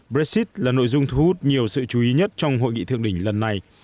brexit là nội dung thu hút nhiều sự chú ý nhất trong hội nghị thượng đỉnh lần này